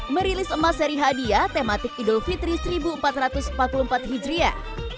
merilis emas seri hadiah tematik idul fitri seribu empat ratus empat puluh empat hijriah